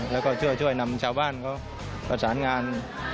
แล้วก็ช่วยนำชาวบ้านเขาประสานงาน